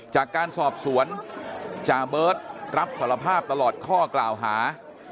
จากการสอบสวนจาเบิร์ตรับสารภาพตลอดข้อกล่าวหา